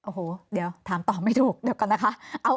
โอ้โหเดี๋ยวถามตอบไม่ถูกเดี๋ยวก่อนนะคะ